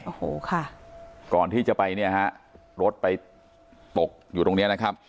โอ้โหค่ะก่อนที่จะไปเนี่ยฮะรถไปตกอยู่ตรงเนี้ยนะครับ